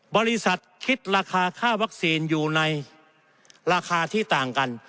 บริษัทคิดราคาค่าวัคซีนอยู่ในราคาที่ต่างกัน